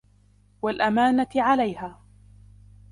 وَالْأَمَانَةِ عَلَيْهَا